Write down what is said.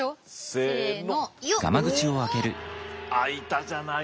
せの。